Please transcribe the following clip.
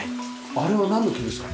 あれはなんの木ですか？